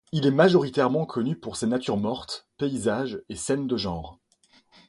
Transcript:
Il est majoritairement connu pour ses natures mortes, paysages et scènes de genre.